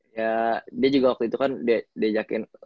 ya dia juga waktu itu kan diajakin